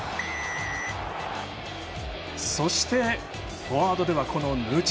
そして、フォワードではヌチェ。